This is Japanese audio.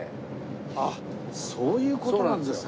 あっそういう事なんですか。